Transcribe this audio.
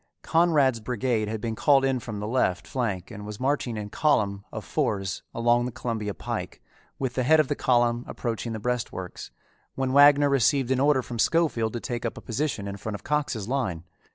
Conrad's brigade had been called in from the left flank and was marching in column of fours along the Columbia Pike, with the head of the column approaching the breastworks, when Wagner received an order from Schofield to take up a position in front of Cox's line.